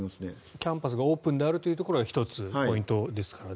キャンパスがオープンであるというところが１つポイントですからね。